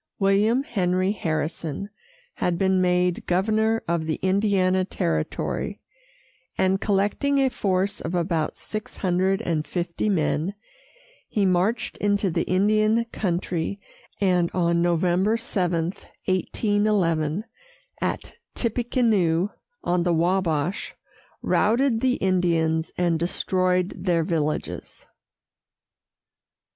William Henry Harrison had been made governor of the Indiana territory, and, collecting a force of about six hundred and fifty men, he marched into the Indian country, and, on November 7, 1811, at Tippecanoe, on the Wabash, routed the Indians and destroyed their villages.